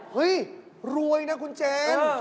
เฮ้ยรวยนะคุณเจมส์